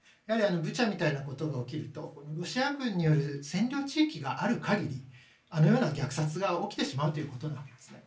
ブチャみたいなことが起きるとロシア軍による占領地域がある限りあのような虐殺が起きてしまうというわけですね。